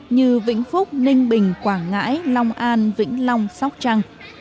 như vĩnh phúc ninh bình quảng ngãi long an vĩnh long sóc trăng